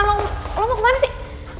lo mau kemana sih